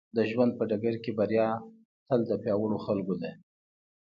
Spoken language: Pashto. د ژوند په ډګر کې بريا تل د پياوړو خلکو ده.